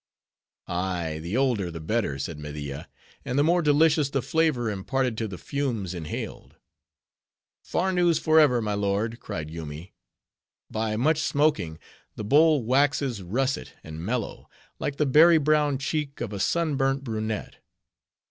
"Ay, the older the better," said Media, "and the more delicious the flavor imparted to the fumes inhaled." "Farnoos forever! my lord," cried Yoomy. "By much smoking, the bowl waxes russet and mellow, like the berry brown cheek of a sunburnt brunette."